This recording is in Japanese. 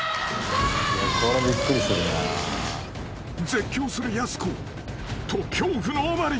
［絶叫するやす子。と恐怖のあまり］